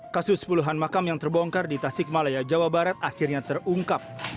kasus puluhan makam yang terbongkar di tasik malaya jawa barat akhirnya terungkap